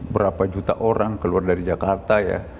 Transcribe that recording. berapa juta orang keluar dari jakarta ya